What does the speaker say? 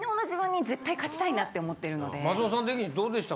松本さん的にどうでした？